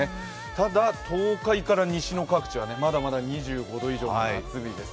ただ、東海から西の各地はまだまだ２５度以上の夏日です。